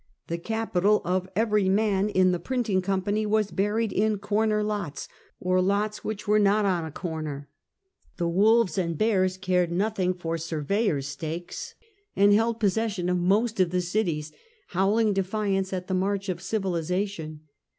The capital of every man in the printing company was buried in corner lots, or lots which were not on a corner. The wolves and bears cared nothino for sur A Famous Yictoey. 191 vejor's stakes, and held possession of most of the cities, howling defiance at the march of civilization.